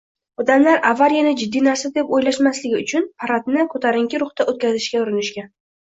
Odamlar avariyani jiddiy narsa deb oʻylashmasligi uchun paradni koʻtarinki ruhda oʻtkazishga urinishgan